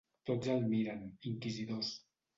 Tots el miren, inquisidors.